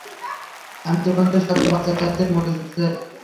আমি তোদের সাথে বাঁচার চাইতে মরে যেতে চাই!